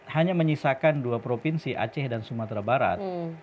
hanya menyisakan dua provinsi aceh dan sumatera barat